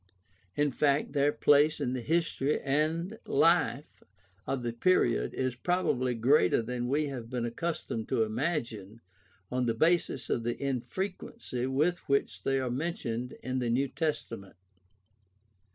In fact, their place in the history and life of the period is probably greater than we have been accustomed to imagine on the basis of the infrequency with which they are mentioned in the New Testament.